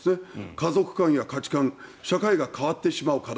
家族観や価値観社会が変わってしまう課題。